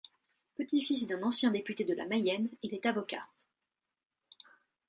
Petit-fils d'un ancien député de la Mayenne, il est avocat.